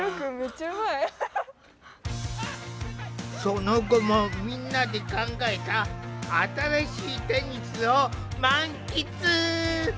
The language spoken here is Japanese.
その後もみんなで考えた新しいテニスを満喫！